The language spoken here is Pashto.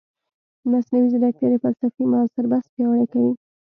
مصنوعي ځیرکتیا د فلسفې معاصر بحث پیاوړی کوي.